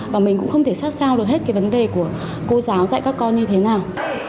và mình cũng không thể sát sao được hết cái vấn đề của cô giáo dạy các con như thế nào